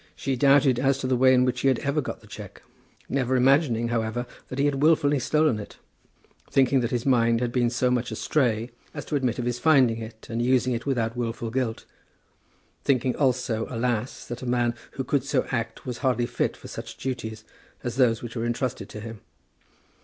She doubted as to the way in which he had got the cheque, never imagining, however, that he had wilfully stolen it; thinking that his mind had been so much astray as to admit of his finding it and using it without wilful guilt, thinking also, alas, that a man who could so act was hardly fit for such duties as those which were entrusted to him.